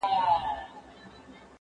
زه بايد انځورونه رسم کړم؟